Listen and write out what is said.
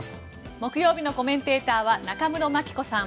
木曜日のコメンテーターは中室牧子さん